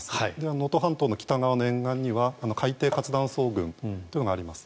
能登半島の北側の沿岸には海底活断層群というのがあります。